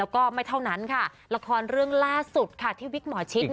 แล้วก็ไม่เท่านั้นค่ะละครเรื่องล่าสุดค่ะที่วิกหมอชิด